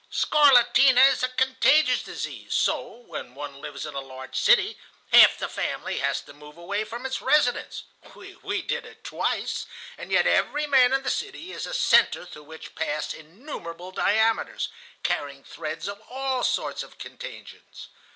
Scarlatina is a contagious disease; so, when one lives in a large city, half the family has to move away from its residence (we did it twice), and yet every man in the city is a centre through which pass innumerable diameters, carrying threads of all sorts of contagions.